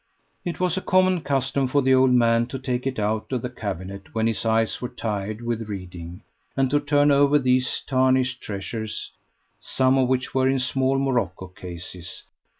It was a common custom for the old man to take it out of the cabinet when his eyes were tired with reading, and to turn over these tarnished treasures, some of which were in small morocco cases.